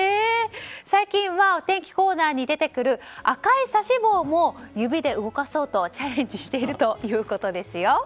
最近はお天気コーナーに出てくる赤い指し棒も指で動かそうとチャレンジしているということですよ。